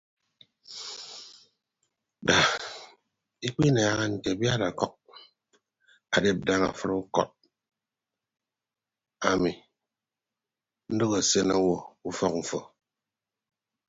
Da ikpinaaha nte abiad ọkʌk adep daña afịd ukọd ami ndoho asen owo ke ufọk mfo.